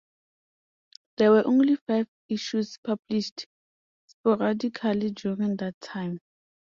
There were only five issues published sporadically during that time.